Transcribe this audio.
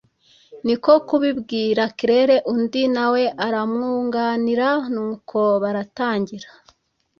niko kubibwira Claire undi nawe aramwunganira nuko baratangira